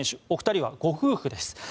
お二人はご夫婦です。